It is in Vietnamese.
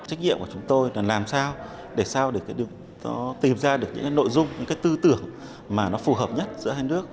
trách nhiệm của chúng tôi là làm sao để tìm ra những nội dung những tư tưởng phù hợp nhất giữa hai nước